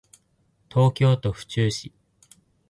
東京都府中市